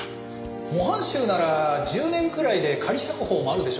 模範囚なら１０年くらいで仮釈放もあるでしょう。